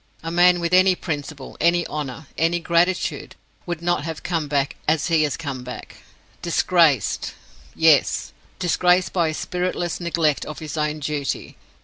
A man with any principle, any honor, any gratitude, would not have come back as he has come back, disgraced—yes! disgraced by his spiritless neglect of his own duty.